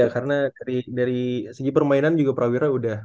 karena dari segi permainan juga prawira udah